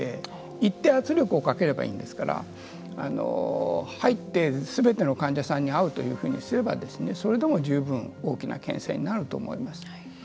行って圧力をかければいいんですから入って、すべての患者さんに会うというふうにすればそれでも十分大きなけん制になると思います。